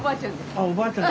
あおばあちゃん